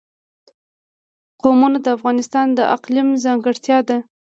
قومونه د افغانستان د اقلیم ځانګړتیا ده.